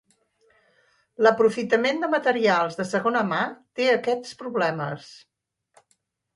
L'aprofitament de materials de segona mà té aquests problemes.